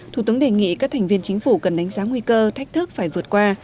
thủ tướng đề nghị các thành viên chính phủ cần đánh giá nguy cơ thách thức phải vượt qua